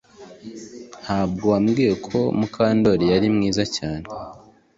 Ntabwo wambwiye ko Mukandoli yari mwiza cyane